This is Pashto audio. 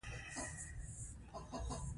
ځنګلونه د افغانانو ژوند اغېزمن کوي.